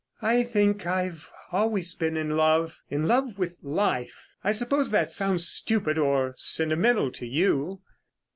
"I think I've always been in love—in love with life. I suppose that sounds stupid, or sentimental, to you."